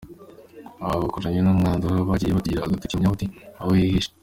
Aba bakoranye n’umwanzi, aba bagiye batungira agatoki Umuyahudi aho yihishe.